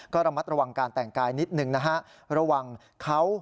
ก็ระมัดระวังการแต่งกายนิดหนึ่งนะฮะระวังเขา